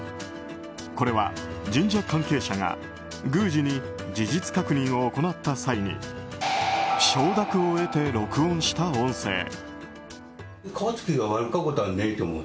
これは神社関係者が宮司に事実確認を行った際に承諾を得て録音した音声。